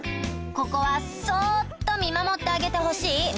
ここはそっと見守ってあげてほしい！